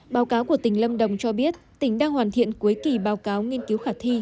báo cáo của tỉnh lâm đồng cho biết tỉnh đang hoàn thiện cuối kỳ báo cáo nghiên cứu khả thi